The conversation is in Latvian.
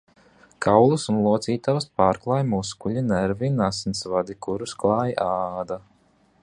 Kaulus un locītavas pārklāj muskuļi, nervi un asinsvadi, kurus klāj āda.